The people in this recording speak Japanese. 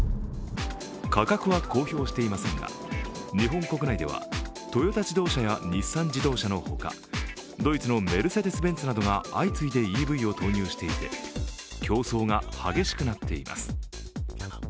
価格は公表していませんが日本国内ではトヨタ自動車や日産自動車のほかドイツのメルセデス・ベンツなどが相次いでＥＶを投入していて競争が激しくなっています。